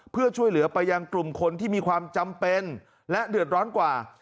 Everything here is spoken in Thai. เพื่อช่วยเหลือไปยังกลุ่มคนที่มีความจำเป็นและเดือดร้อนกว่า